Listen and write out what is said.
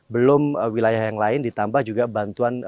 belum wilayah yang lain ditambah juga bantuan